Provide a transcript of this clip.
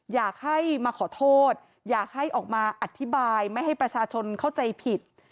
อยากให้มาขอโทษอยากให้ออกมาอธิบายไม่ให้ประชาชนเข้าใจผิด